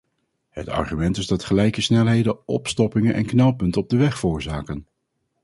Het argument is dat gelijke snelheden opstoppingen en knelpunten op de weg veroorzaken.